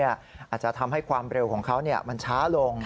อาจจะทำให้ความเร็วของเขามันช้าลง